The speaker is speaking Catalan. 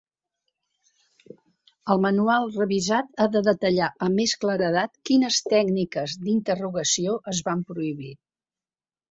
El manual revisat ha de detallar amb més claredat quines tècniques d'interrogació es van prohibir.